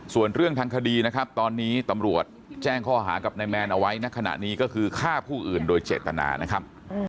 ส่วนเรื่องทางคดีนะครับตอนนี้ตำรวจแจ้งข้อหากับนายแมนเอาไว้ในขณะนี้ก็คือฆ่าผู้อื่นโดยเจตนานะครับ